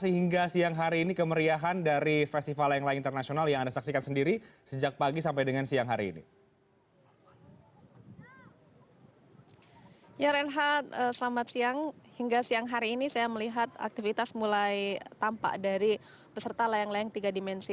hingga siang hari ini saya melihat aktivitas mulai tampak dari peserta layang layang tiga dimensi